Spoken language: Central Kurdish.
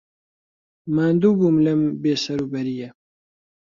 ماندوو بووم لەم بێسەروبەرییە.